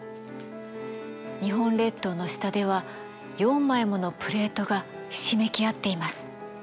日本列島の下では４枚ものプレートがひしめき合っています。